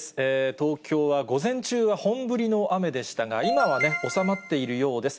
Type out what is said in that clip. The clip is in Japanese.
東京は午前中は本降りの雨でしたが、今は収まっているようです。